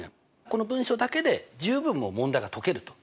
この文章だけで十分もう問題が解けると。